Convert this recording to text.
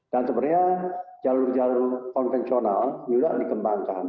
dan sebenarnya jalur jalur konvensional juga dikembangkan